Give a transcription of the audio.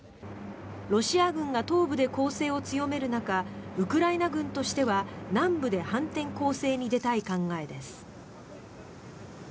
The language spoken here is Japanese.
ロシア軍が東部で攻勢を強める中ウクライナ軍としては南部で反転攻勢に出たい考えです。